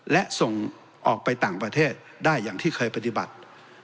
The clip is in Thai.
และส่งออกไปต่างประเทศได้อย่างที่เคยปฏิบัติ